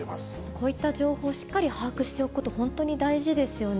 こういった情報をしっかり把握しておくこと、本当に大事ですよね。